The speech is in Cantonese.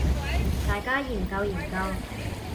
大家研究研究